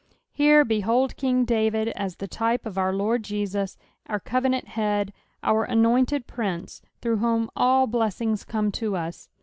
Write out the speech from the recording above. Here behold king David as the type of our Lord Jesus, our covenant Head, our anointed Prince, through whom all blessings come to us.